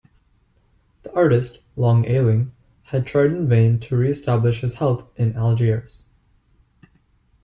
The artist, long ailing, had tried in vain to re-establish his health in Algiers.